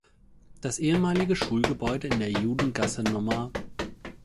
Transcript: Das ehemalige Schulgebäude in der Judengasse Nr.